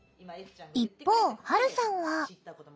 一方はるさんは。